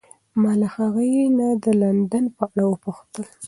ما له هغې نه د لندن په اړه وپوښتل.